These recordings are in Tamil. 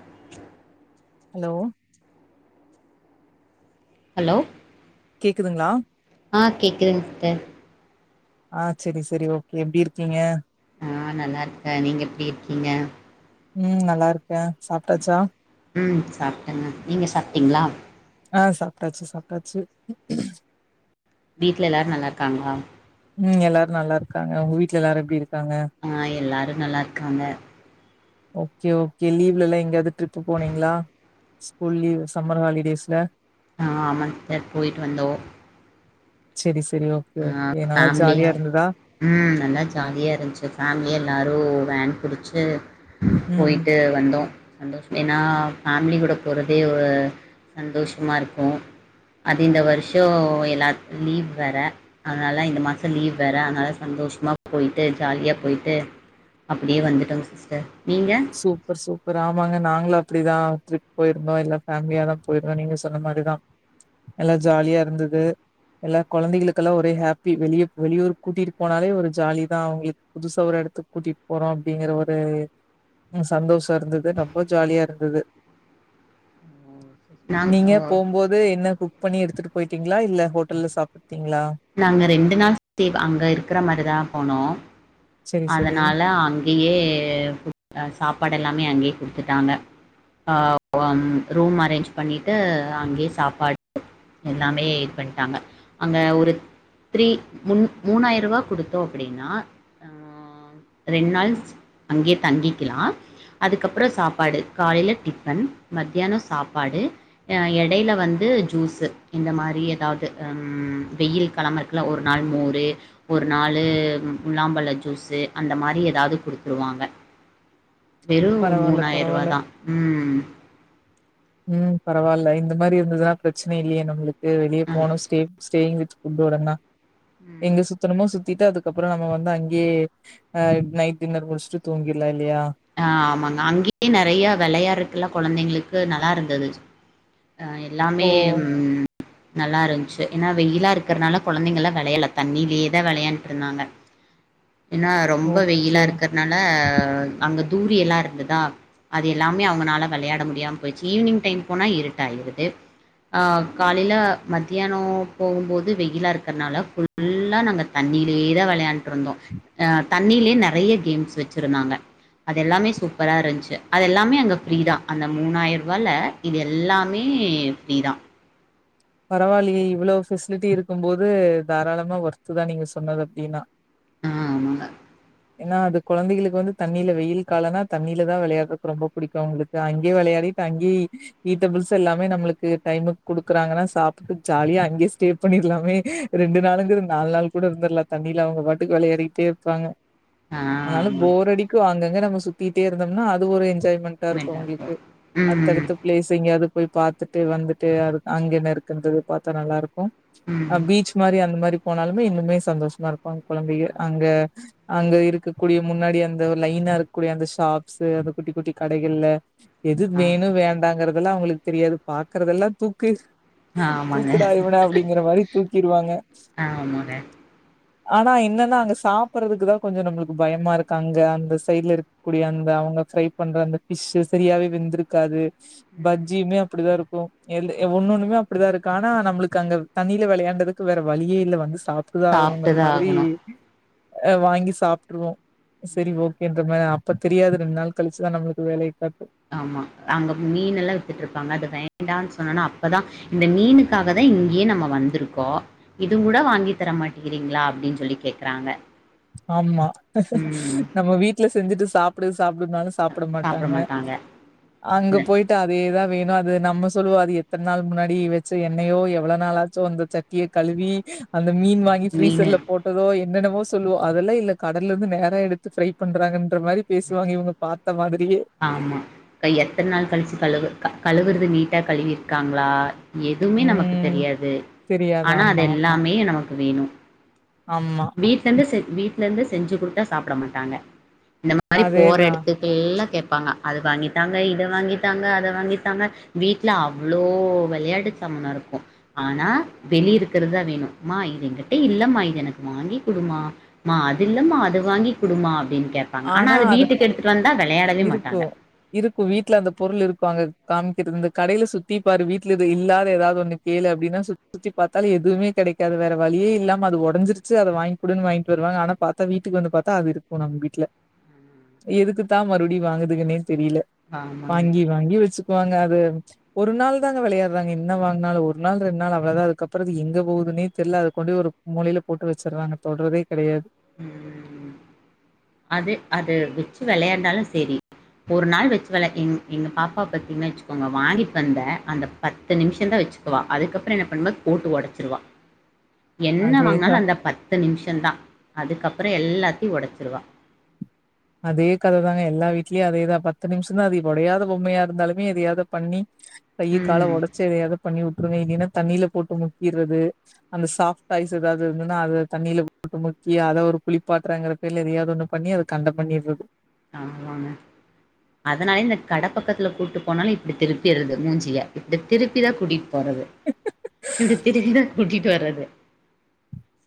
[inaudible] ஹலோ ஹலோ கேக்குதுங்களா ஆஹ் கேக்குதுங் சிஸ்டர் ஆஹ் சரி சரி ஓகே எப்படி இருக்கீங்க ஆ நல்லா இருக்கேன் நீங்க எப்படி இருக்கீங்க உம் நல்லா இருக் ஹ சாப்பிட்டாச்சா ம் சாப்பிட்டங்க நீங்கள் சாப்பிட்டீங்களா ஆஹ் சாப்பிட்டாச்சு சாப்பிட்டாச்சு வீட்ல எல்லாரும் நல்லா இருக்காங்களா உம் எல்லாரும் நல்ல இருக்கிறாங்க உங்க வீட்ல எல்லாரு எப்படி இருக்கீ ஆஹ் எல்லாரும் நல்லாருக்காங்க ஓகே ஓகே லீவ்லெல்லாம் எங்கேயாவது ட்ரிப் போனீங்களா ஸ்கூல் லீவு சம்மர் ஹாலிடேஸ்ல ஆஹ் ஆமாங் சிஸ்டர் போயிட்டு வந்தோம் சரி ஹ ஃபேமிலியா உம் நல்லா ஜாலியா இருந்துச்சு ஃபேமிலியா எல்லாரும் வேன் புடுச்சு ம் போயிட்டு வந்தோம் சந்தோஷம் ஏன்னா ஃபேமிலி கூட போறதே ஒரு சந்தோஷமா இருக்கும் அது இந்த வருஷம் எல்லார்க்கும் லீவ் வேற அதனால இந்த மாசம் லீவ் வேற அதனால சந்தோஷமா போயிட்டு ஜாலியா போயிட்டு அப்படியே வந்துட்டோங்க சிஸ்டர் நீங்கள் சூப்பர் சூப்பர் ஆமாங்க நாங்களு அப்படிதான் ட்ரிப் போயிருந்தோம் எல்லா ஃபேமிலியாதான் போயிருந்தோம் நீங்க சொன்ன மாதிரிதான் எல்லா ஜாலியா இருந்தது எல்லா குழந்தைகளுக்கெல்லாம் ஒரே ஹாப்பி வெளியே வெளியூர் கூட்டிட்டு போனாலே ஒரு ஜாலிதான் அவங்களுக் புதுசா ஒரு இடத்துக்கு கூட்டிட்டு போறோம் அப்படிங்கற ஒரு உம் சந்தோஷம் இருந்தது ரொம்ப ஜாலியா இருந்தது நீங்க நாங்கள் போகும்போது என்ன கு குக் பண்ணி எடுத்துட்டு போய்ட்டீங்களா இல்ல ஹோட்டல்ல சாப்பிட்டு நாங்க ரெண்டு நாள்வ அங்க [unintelligible] இருக்கற மாதிரிதான் போனோம் செரி செரி அதனால அங்கேயே சாப்பாடு எல்லாமே அங்கையே அங்கேயே குடுத்துட்டாங்க உம் ம்ம் ரூம் அரேஞ்ச் பண்ணிட்டு அங்கேயே சாப்பாடு எல்லாமே பண்ணிட்டாங்க அங்கே ஒரு த்ரீ மூணாயிரம் ரூபா கொடுத்தோம் அப்படின்னா ரெண்டு நாள் அங்கேயே தங்கிக்கலாம் அதுக்கப்புறம் சாப்பாடு காலையில டிஃபன் மத்தியானம் சாப்பாடு எடையில வந்து ஜூஸ் இந்த மாதிரி எதாவது வெயில் கிளம்பருக்குல ஒரு நாள் மோர் ஒரு நாள் முலாம்பழ ஜூஸு அந்த மாதிரி ஏதாவது கொடுத்துருவாங்க வெறும் பரவால்ல மூணாயிரம் பரவால்ல ரூவாதான் உம் உம் பரவாயில்ல இந்த மாதிரி இருந்ததுன்னா பிரச்சனை இல்லையே நம்மளுக்கு வெளியே அ. போணும் சேஃப் சரிங்க உங்களோடத தான் ம். எங்க சுத்தணுமோ சுத்த சுத்திட்டு அதுக்கப்புறம் நம்ம வந்து அங்கேயே நைட் டின்னர் முடிச்சுட்டு தூங்கிறலா இல்ல ஆஹ் ஆமாங்க அங்கயே நிறைய விளையாடுறதுக்கு எல்லாம் குழந்தைங்களுக்கு அது நல்லா இருந்தது ஓ எல்லாமே உம் நல்லா இருந்ச்சு ஏன்னா வெயிலா இருக்கறனால குழந்தைங்கள்லா வெளையல தண்ணிலியேதா வெளையான்ட்டு இருந்தாங்க ஏன்னா ரொம்ப வெயிலா ஓகே இருக்கற்னால ஆ அங்க தூரி எல்லா இருந்ததா அது எல்லாமே அவங்கனால வெளையாட முடியாம போயிச்சு ஈவினிங் டைம் போனா இருட்ட ஆயிறது ஆ காலைல மத்தியானொ போகும்போது வெயிலா இருக்கற்னால ஃபுல்லா நாங்க தண்ணிலயே தா வெளையாண்ட்ருந்தோ அஹ் தண்ணியிலயே நெறைய கேம்ஸ் வெச்சிருந்தாங்க அத எல்லாமே சூப்பரா இருந்ச்சு அது எல்லாமே அங்க ஃப்ரீதா அந்த மூணாயிர் ருவால இது எல்லாமே ஃப்ரீதா பரவா இல்லயே இவ்ளோ ஃபெசிலிடி இருக்கும் போது தாராளமா ஒர்த் தா நீங்க சொன்னது அப்டின்னா ஆஹ் ஆமாங்க ஏன்னா அது கொழந்தைகளுக்கு வந்து தண்ணில வெயில் காலனா தண்ணில தா வெளையாடுறதுக்கு ரொம்ப புடிக்கு அவங்களுக்கு அங்கயே வெளையாடிட்டு அங்கேயே ஈடபிள்ஸ் எல்லாமே நம்ளுக்கு டைமுக்கு குடுக்குறாங்கன்னா ச் சாப்ட்டுட்டு ஜாலியா அங்கயே ஸ்டே பண்ணிட்லாமே ரெண்டு நாளுங்குற நாலு நாள் கூட இருந்துட்லா தண்ணியில அவங்க பாட்டுக்கு வெளையாடிட்டே இருப்பாங்க ஆமாங்க ஆ அதனால ஆமாங்க போர் அடிக்கு ஆங்க ங்க நம்ம சுத்திட்டே இருந்தோம்னா அது ஒரு என் ஜாய்மெண்டா இருக்கு அவுங்களுக்கு ம் அடுத்தடுத்த பிளேஸ் எங்கேயாது போய் பாத்துட்டு வந்துட்டு அரு அங்க என்ன இருக் குன்ரது பாத்தா நல்லா இருக்கு ம் அஹ் பீச் மாரி அந்த மாரிப் போனாலுமே இன்னுமே சந்தோஷமா இருக்கு அங்க் குழந்தைங்க அங்க அங்க இருக்கக்கூடிய முன்னாடி அந்த லைனா இருக்கக்கூடிய அந்த ஷாப்ஸ் அந்த குட்டி குட்டி கடைகள்ல எது ஆ வேணு வேண்டாங்கற அதெல்லா அவங்களுக்கு தெரியாது பாக்குறதெல்லா தூக்கு ஆமாங்க தூக்குடா இவன அப்டிங்குற மாரி தூக்கிடுவாங்க ஆமாங்க ஆனா என்னன்னா அங்க சாப்பறதுக்கு தா கொஞ்சொ நம்ளுக்கு பயமா இருக்கு அங்க அந்த சைட்ல இருக்கக்கூடிய அந்த அவங்க ஃப்ரை பண்ற அந்த ஃபிஷ் சரியாவே வெந்துருக்காது ம் பஜ்ஜியுமே அப்டிதா இருக் கொ எல்லு ஒண்ணு ஒண்ணுமே அப்டிதா இருக்கு ஆனா நம்ளுக்கு அங்க தண்ணில வெளையாண்டதுக்கு வேற வழியே இல்ல வந்துச் சாப்ட்டுதா ஆகனுங்க இந்த மாதிரி அஹ் வாங்கி சாப்ட்ருவோ சரி ஓகேன்ற மாரி அப்ப தெரியாது ரெண்டு நாள் கழிச்சுதா நம்ளுக்கு வேலைய காட் ஆமா அங்க மீன் இப்பதா இந்த மீனுக்காக தா இங்கேயே நம்ம வந்துருக்கோ இது கூட வாங்கி தரமாட்டேங்கிறீங்களா அப்டின்னு சொல்லி கேக்குறாங்க ஆமா ம் நம்ம வீட்ல செஞ்சுட்டுச் சாப்டு ச் சாப்டுனாலு சாப்ட மாட்டாங்க அங்க இந்த போய்ட்டு அதேதா வேணு அ து நம்ம சொல்லுவோ அது எத்தன நாள் முன்னாடி வெச்ச என்னயோ எவ்வள நாளாச்சோ அந்த சட்டிய கழுவி அந் த மீன் வாங்கி மீனு ஃபிரீசர்ல போட்டதோ எ என்னன்னமோச் சொல்லுவோ அதெல்லா இல்ல கடல்லருந்து நேரா எடுத்து ஃபிரை பண்றாங்கன் ஒருமாறி பேசுவங்க இவங்க பாத் தமாது ஆமா க எத்தன் நாள் கல்ச்சு கலுவு கலுவுறது நீ ட்ட கழுவிர்க்காங்களா எதுவுமே நமக்கு ம் தெரியாது தெரியாது ஆனா ஆமா ஆமா அதெல்லாமே நமக்கு வேணும் ஆமா வீட்ல இருந்து செஞ் வீட்ல இருந்து செஞ்சு கொடுத்தா சாப்ட மாட்டாங்க இந்த மாரி போற அதேதா எடத்துக்கெல்லாம் கே ப்பாங்க அது வாங்கித்தாங்க இத வாங்கித்தாங்க அத வாங்கித்தாங்க வீட்ல அவ்வளோ விளையாட்டு சமனம் இருக்கும் ஆனா வெளி இருக்கிறதுதான் வேணும்மா இதன்கிட்ட இல்ல மா இது எனக்கு வாங்கி கொடுமா மா அது இல்லமா அத வாங்கி கொடுமா அப்படின்ட் கேட்பாங்க ஆனா அது வீட்டுக்கு எடுத்துட்டு வந்தா விளையாடவே மாட்டாங்க இப்ப அங்க காமிக்கிறது இந்த கடையில சுத்தி பாரு வீட்ல இது இல்லாத ஏதாவது ஒன்னு கேளு அப்படின்னா சுத்தி சுத்தி பாத்தாலு எதுமே கெடக்காது வேற வழியே இல்லாம அது உடைஞ்சிருச்சு அத வாங்கி குடுன்னு வாங்கிட்டு வருவாங்க ஆனா பாத்தா வீட்டுக்கு வந்து பாத்தா அது இருக்கும் நம்ம வீட்ல எதுக்குத்தான் மறுபடியும் வாங்குதுகனே தெரியல ஆமாங்க. வாங்கி வாங்கி வச்சுக்குவாங்க அது ஒரு நாள் தாங்க வெளையாடுறாங்க என்ன வாங்னாலு ஒரு நாள் ரெண் நாள் அவ்ளதான் அதுக்கப்பறம் அது எங்க போகுதுனே தெரியல அது கொண்டு ஒரு மூலயில போட்டு வச்சுறாங்க தொட்றதே கெடையாது ம்ம் ம் அது அது வச்சு வெளையாட்னாலு சரி ஒரு நாள் வச்சு விள எங் எங்க பாப்பா பாத்திங்னா வச்சுக்கோங்க வாங்கிட்வந்த அந்த பத்து நிமிஷந்தா வச்சுக்குவா அதுக்கப்பற என்ன பண்ணுவா போட்டு ஒடைச்சிருவா என்ன அதேதா வாங்னாலும் அந்த பத்து நிமிஷந்தான் அதுக்கப் அப்பற எல்லாத்தையு ஒடைச்சிருவா அதே கத தாங்க எல்லா வீட்லயு அதேதா பத்து நிமிஷ தான் அது உடையாத பொம்மையா இருந்தாலுமே எதையாவது பண்ணி கைய கால ம். ஒடச்சு எதையாவது பண்ணி உ அப்றோ தண்ணியில போட்டு முக்கீறது அந்த ஸாப்டாஸ் ஏதாவது இருந்தன்னா அத தண்ணியில போட்டு முக்கி அத ஒரு குளிப்பாட்டுறங்கறல பேர்ல எதயாவது ஒன்னு பண்ணி அத கண்ட பண்ணிற்றது ஆமாங்க அதனால இந்த கடப்பக்கத்துல கூட்டு போனாலு இப்படி திருப்பிடுறது மூஞ்சிய இப்படி திருப்பி தான் கூட்டி போறது இப்படி திருபிதான் கூட்டிட்டு வர்றது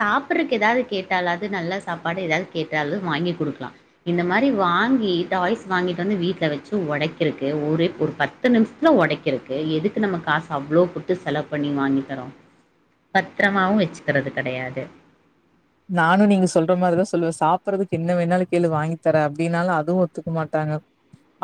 சாப்றகு ஏதாது கேட்டாலது நல்ல சாப்பாடு ஏதாது கேட்டாலு வாங்கி கொடுகலா இந்த மாரி [inaudible] நானு நீங்க சொல்ற மாரிதா சொல்லுவே சாப்றதுக்கு என்ன வேணுாலு கேளு வாங்கிதர அதுவும் ஒத்துக்க மாட்டாங்க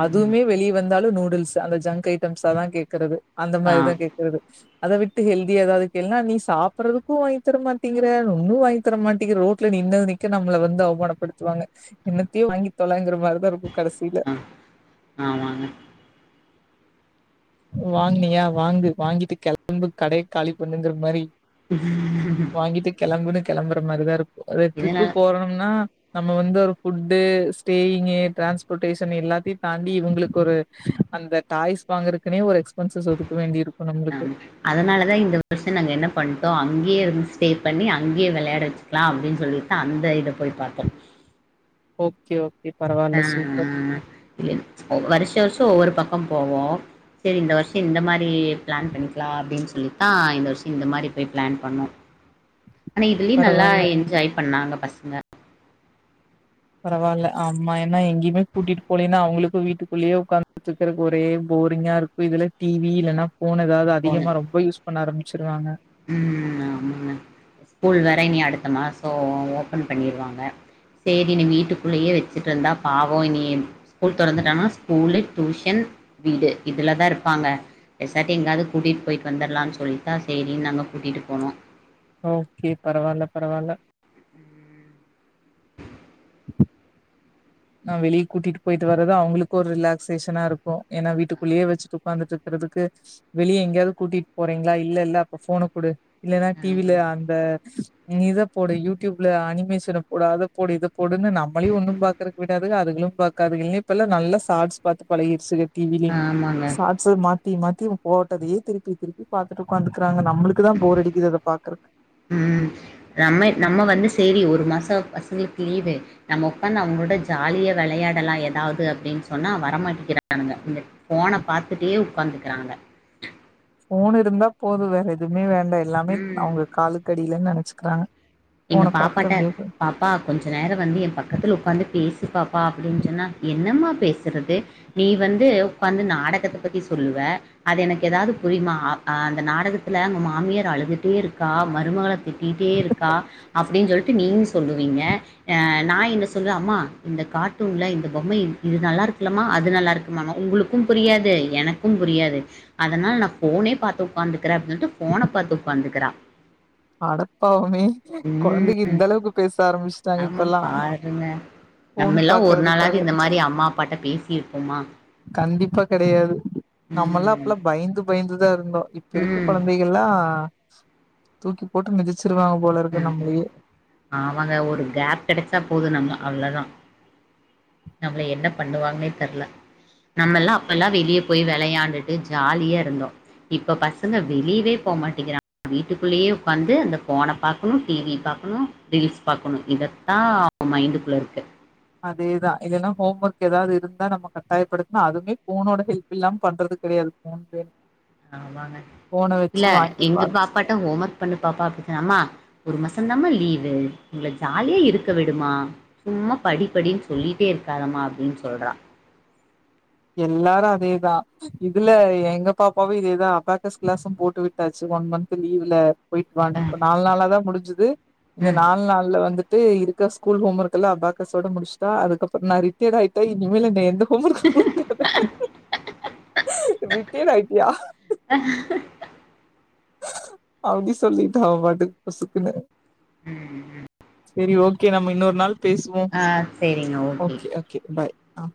ம். அதுமே வெளிய வந்தாலு நூடுல்ஸ் அந்த ஜங்க் ஐட்டம்ஸ் தா கேக்றது அந்த ஆ, மாரிதா கேக்குறது அத விட்டு ஹெல்தி ஏதாவ்துகேல்னா நீ சாப்பறதுக்கு வாங்கி தர மாட்டிங்கற ஒன்னு வாங்க டரோட்ல நின்று நிக்க நம்ம வந்து அவமானப்படுத்துவாங்க என்னத்தையோ வாங்கி தொல [unintelligible] கடசில ஆ. ஆமாங்க. வாங்னியா வாங்கு வாங்கிட் டு கெளம்பு கடைய காலி பண்ணுங்ற மாரி வாங்கிட்டு கெளம்புனு கெளம்ற மாரிதாருக் ஒரு டிரிப்பு இதனால போறம்னா நம்ம வந்து ஒரு ஃபுட்டு ஸ்டேயிங்இ டிரான்ஸ்போடேஷன் எல்லாதி தாண்டி இவுங்ளுகு ஒரு அந்த டாய்ஸ் வாங்றக் கின்னே ஒரு ஆமா அதனாலதா இந்த வர்ஷோ நாங்க என்ன பண்டோ அங்கேயே இன்ஸ்பெயர் பண்ணி அங்யே வெளயாட வெச்கலா அப்டினு சொலிடு அந்த இத போய் பாத்தோ ஓகே ஓக் கே பரவால சூப்பர் இல்ல வருஷோ வர்ஷோ ஒவொரு பக்க போவோ செரி இந்த வருஷ் இந்த மாரி பிளான் பண்ணிக்லா அப்டின் சொல்லிதா இந்த வர்ஷ் இந்த மாரி போய் பிளான் பண்ணோ ஆனா இதிலி நல்லா பரவால்ல என்ஜாய் பண்ணாங்கப் பஸ்ங்க பரவால்ல ஆமா ஏனா எங்கிமே கூட்டிடு போலினா அவங்ளுகு வீட்டுகுளேயே உக்காந்துட்ருகறக்கு ஒரே போரிங்கா இருக்கு இதுல டி வி இல்லனா ஃபோன் ஏதாவ்து அதிகமா ரொம்ப யூஸ் பண்ண ஆரம்பி ச்ருவாங்க உம் ம் ஆமாங்க ஸ்கூல் வேற இனி அடுத்த மாசோ ஓபன் பண்ணிருவாங்க சேரி இனி வீட்டுகுள்ளயே வெச்சிட்ருந்தா பாவோ இனி ஸ்கூல் தொறந்துடானா ஸ்கூலு டியூஷன் வீடு இதுலதா இருபாங்க பேசாட்டி எங்காது கூட்டிட் போய்ட் வந்தரலான் சொல்லித்தா சேரி நாங்க கூட்டிட்டு போனோ ஓகே பரவால பரவால உம் [inaudible] நா வெளி கூட்டிட்டு போய்ட்டு வர தா அவுங்ளுகு ஒரு ரிலாஸேஷனா இருக்கு ஏனா வீட்டுகுள்யே வெச்சிட்டு உக்காந்துட்ருகறதுக்கு வெளியே எங்யாது கூட்டிட் போறீங்ளா இல்ல இல்ல அப்ப ஃபோன குடு இல்லனா டி வி ஆ ல அந்த இத போடு யூடியூப்ல அனிமேஷன போடு அத போடு இத போடுனு நம்ளையு ஒண்ணு பாக் கறக்கு விடாதுக அதுகளு பாக்காதுக இல்லி இப்பல்லா நல்லா சாட்ஸ் பாத்து பழகிடுச்சுக டி வி லிம் ஆமாங்க. சாட்ஷு மாத் தி மாத்தி போட்டதயே திருப்பி திருப்பி பாத்துட்டு உகாந்துக்கறாங்க உம் நம்ம நம்ம வந்து சேரி ஒரு ஒரு மாச பசங்களுக்கு லீவு நம்ம உக்காந்து அவங்களோட ஜாலியா விளையாடலா ஏதாவது அப்படின் சொன்னா வரமாட்டிகிறானுங்க இந்த ஃபோன பாத்துட்டே உட்காந்துக்கிறாங்க ஃபோன் இருந்தா போது வேற எதுவுமே வே ண்ட எல்லாமே ம். அவங்க காலுக்கடியில நெனை ச்சுக்கிறாங்க எங்க பாப்பாட்ட பாப்பா கொஞ்ச நேர வந்து என் பக்கத்துல உ்காந்து பேசு பாப்பா அப்படின் சொன்னா என்னம்மா பேசுறது நீ வந்து உக்காந்து நாடகத்த பத்தி சொல்லுவ அது எனக்கு ஏதாது புரியமா அ அந்த நாடகத்தில அவங்க மாமியாரு அழுதுட்டே இருக்கா மருமகள திட்டிட்டே இருக்கா. அப்படின் சொல்லிட்டு நீங்க சொல்லுவீங்க அ நா இன்ன சொல்லுவே அம்மா இந்த கார்டூன்ல இந்த பொம்மைய இது நல்லா இருக்கில்லம்மா அது நல்லா இருக்குமா உங்களுக்கு புரியாது எனக்கு புரியாது அதனால் நா ஃபோனே பாத்து உக்காந் துகிறே அப்படின் சொல்ட்டு ஃபோன பாத்து உக்காந்துக்கிறா அடப்பாவமே ம் கொழந்தைக இந்த அளவுக்கு பேச ஆரம்பிச்சு ஆமா பாருங்க ஃபோன் நம்மல்லா ஒரு நாளாது பாக்குறதுக்காக இந்த மாரி அம்மா அப்பாட்ட பேசி இருப்போமா கண்டிப்பா கெடையாது நம்மல்லா உம் அப்பல்லா பயந்து பயந்துதா இரு ந்தோ இப்ப இருக்க கொழந்தைகள்லா [inaudible] தூக்கி போட்டு மிதிச்சி ம் ஆமங்க ஒரு கேப் கெடச்சா போது நம்ப அவ்ளோ தா நம்மள என்ன பண்ணுவாங்னே தெர்ல நம்மெல்லா அப்பெல்லா வெளியே போய் விளையாண்டுட்டு ஜாலியா இருந்தோ இப்ப பசங்க வெளிவே போகமாட்டேங்கிறா வீட்டுக்குள்ளேயே உக்காந்து அந்த போன பாக் ஃபுல் டிவி பாக்கணு ரீல்ஸ் பாக்கணு இதத்தா மைண்டுக்குள்ள இருக்கு அதேதா இல்லனா ஹோம் ஒர்க் எதாது இருந்தா நம்ம கட்டாயப்படுத்னா அதுமே போனோட ஹெல்ப் இல்லாம பண்றது கெடையாது போன் [unintelligible] ஆமாங்க வாங்கி எங்க பாத் பாப்பாட்ட ஹோம் ஒர்க் பண்ணு பாப்பா [unintelligible] அம்மா ஒரு மாச தான்மா லீவு எங்ள ஜாலியா இருக்க விடுமா சும்மா படிப்படின் சொல்லிட்டே இருக்காதம்மா அப்டின் சொல்றா எல்லாரு அதே தா இதுல எங்க பாப்பாவு இதே தா அபேக்கஸ் கிளாஸு போட்டு விட்டாச்சு ஒன் மந்த் லீவுல போய்ட்டு [unintelligible] நாள் நாளா தா முடிஞ்சு சுது இந்த ம் நாள் நாள்ல வந்து இது இருக்க ஸ்கூல் ஹோம் ஒர்க் எல்ல அபாகஸோட முடிஷ்ட்டா அதுக்கப்பற் நா ரிட்டேட் ஆயிட்ட இனிமேல் என்ன எந்த ஹோமர்க் குடுக்கா [inaudible] ரிட்டேர் ஆய்ட்டியா [unintelligible] அப்டி சொல்லிட்டா அவன் பாட்டுக் பொசுக்குனு ம் ம் செரி ஓகே நம்ம இன்னொரு நாள் பேசுவோம் ஓகே ஓகே பாய் ஆ